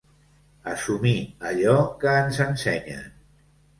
Assumir allò que ens ensenyen.